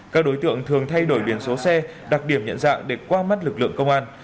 các đối tượng thường thay đổi biển số xe đặc điểm nhận dạng để qua mắt lực lượng công an